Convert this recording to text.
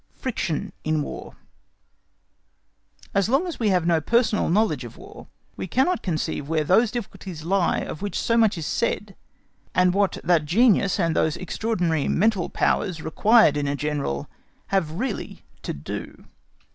Friction in War As long as we have no personal knowledge of War, we cannot conceive where those difficulties lie of which so much is said, and what that genius and those extraordinary mental powers required in a General have really to do.